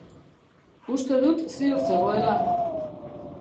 Uste dut ziur zegoela.